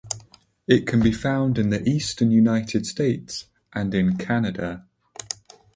It can be found in the eastern United States and in Canada.